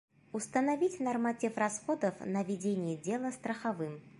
Установить норматив расходов на ведение дела страховым